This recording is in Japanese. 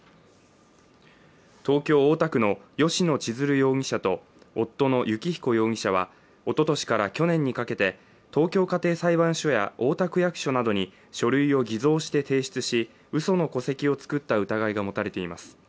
東京・大田区の吉野千鶴容疑者と夫の幸彦容疑者は、おととしから去年にかけて東京家庭裁判所や大田区役所などに書類を偽造して提出しうその戸籍を作った疑いが持たれています。